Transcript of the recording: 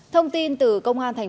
thông tin từ công an tp hcm